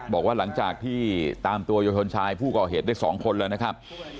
บอกว่าหลังจากที่ตามตัวเยาวชนชายผู้ก่อเหตุได้๒คนแล้วนะครับ